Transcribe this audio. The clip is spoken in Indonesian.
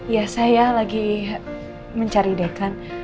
ya saya lagi mencari dekan